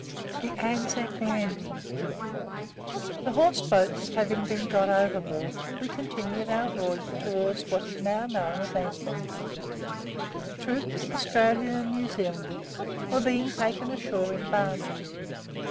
THE ANZAC LANDING The horse boats having been got overboard, we continued our voyage towards what is now know as Anzac. Troops Australians and New Zealanders were being taken ashore in barges.